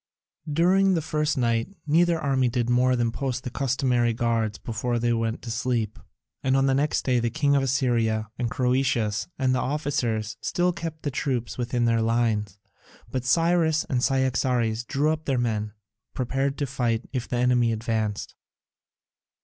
During the first night neither army did more than post the customary guards before they went to sleep, and on the next day the king of Assyria, and Croesus, and their officers, still kept the troops within their lines. But Cyrus and Cyaxares drew up their men, prepared to fight if the enemy advanced.